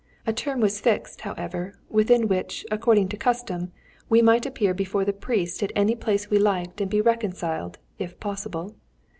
A term was fixed, however, within which, according to custom, we might appear before the priest at any place we liked and be reconciled if possible.